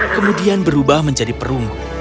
kemudian berubah menjadi perunggu